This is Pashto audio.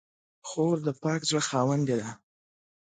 خور د پاک زړه خاوندې ده.